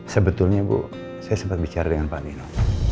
sebetulnya bu saya sempat bicara dengan pak nino